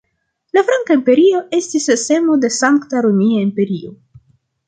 La franka imperio estis semo de Sankta Romia Imperio.